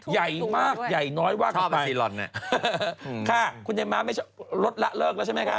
ใหญ่มากใหญ่น้อยว่างกับไปค่ะคุณแยมมาร์รถละเลิกแล้วใช่ไหมคะ